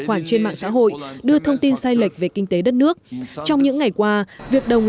khoản trên mạng xã hội đưa thông tin sai lệch về kinh tế đất nước trong những ngày qua việc đồng